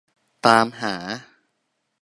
ตามหา